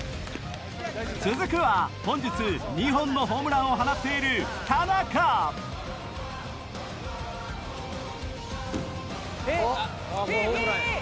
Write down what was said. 続くは本日２本のホームランを放っている田中フィフィ！